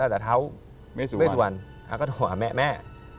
ในเมซุวาลอ๋อก็ถูกห่างพี่แม่